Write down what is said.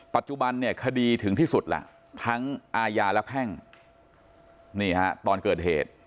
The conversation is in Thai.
ปัจจุบันเนี่ยคดีถึงที่สุดล่ะทั้งอาญาและแพ่งนี่ฮะตอนเกิดเหตุ